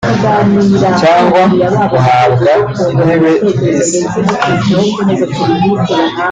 cyangwa uhabwa intebe y’isi